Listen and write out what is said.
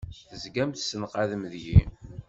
Tezgam tessenqadem deg-i!